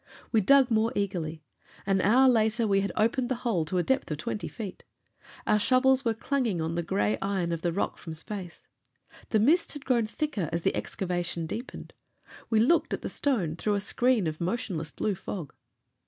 We dug more eagerly. An hour later we had opened the hole to a depth of twenty feet. Our shovels were clanging on the gray iron of the rock from space. The mist had grown thicker as the excavation deepened; we looked at the stone through a screen of motionless blue fog.